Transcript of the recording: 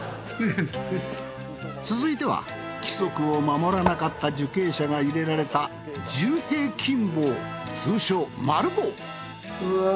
続いては規則を守らなかった受刑者が入れられたうわぁ。